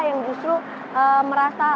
yang justru merasa